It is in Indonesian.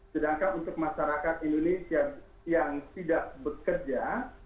sedangkan untuk masyarakat indonesia yang tidak bekerja